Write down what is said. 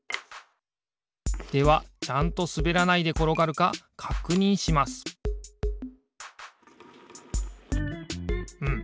ではちゃんとすべらないでころがるかかくにんしますうん。